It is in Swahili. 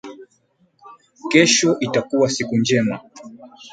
Kesho itakua siku njema